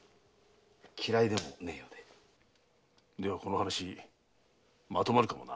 この話まとまるかもな。